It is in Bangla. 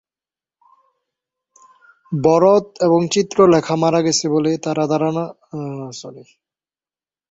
ভরত এবং চিত্রলেখা মারা গেছে বলে ধারণা করা হয়েছে, তবে তারা অজ্ঞান হয়ে একটি দ্বীপে ধুয়েছেন।